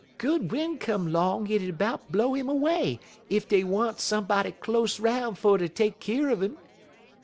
Good win' come 'long hit 'ud in about blow 'im 'way ef dey wa'n't somebody close 'roun' fer ter take keer un 'im.